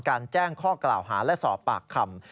แจ้งข้อกล่าวหาและสอบปากคำ